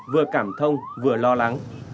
vừa cảm thông vừa lo lắng